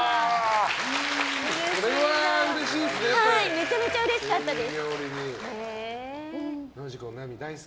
めちゃめちゃうれしかったです。